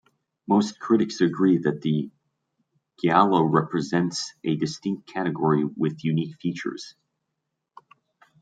Most critics agree that the giallo represents a distinct category with unique features.